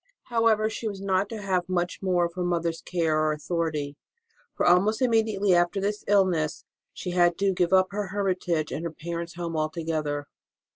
However, she was not to have much more of her mother s care or authority, for almost imme diately after this illness she had to give up her hermitage and her parents home altogether.